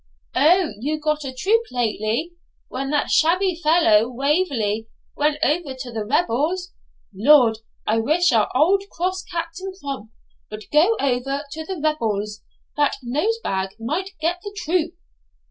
'O, you got a troop lately, when that shabby fellow, Waverley, went over to the rebels? Lord, I wish our old cross Captain Crump would go over to the rebels, that Nosebag might get the troop!